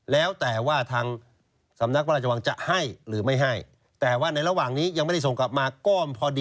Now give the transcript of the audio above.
แล้วแต่ว่าทางสำนักพระราชวังจะให้หรือไม่ให้แต่ว่าในระหว่างนี้ยังไม่ได้ส่งกลับมาก็พอดี